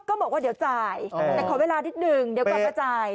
ก็บอกว่าเดี๋ยวจ่ายแต่ขอเวลานิดนึงเดี๋ยวกลับมาจ่าย